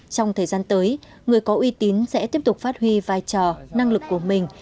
trong thời gian tới người có uy tín sẽ tiếp tục phát huy vai trò năng lực của mình